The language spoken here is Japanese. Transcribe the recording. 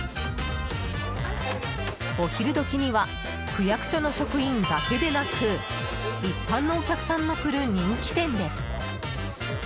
お昼時には区役所の職員だけでなく一般のお客さんも来る人気店です。